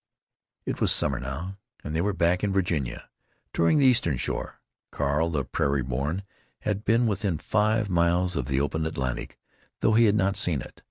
It was summer now, and they were back in Virginia, touring the Eastern Shore. Carl, the prairie born, had been within five miles of the open Atlantic, though he had not seen it.